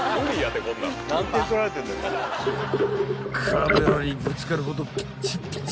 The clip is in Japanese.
［カメラにぶつかるほどピッチピチ］